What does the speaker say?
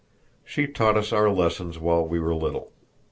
She taught us our lessons while we were little.